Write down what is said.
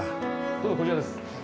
どうぞこちらです。